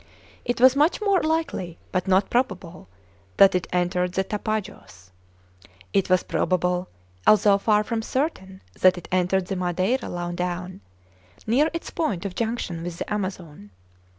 It was much more likely, but not probable, that it entered the Tapajos. It was probable, although far from certain, that it entered the Madeira low down, near its point of junction with the Amazon.